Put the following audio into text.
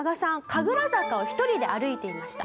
神楽坂を１人で歩いていました。